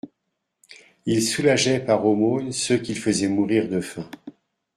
Ils soulageaient par aumône ceux qu'ils faisaient mourir de faim.